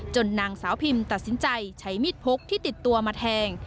นางสาวพิมตัดสินใจใช้มีดพกที่ติดตัวมาแทง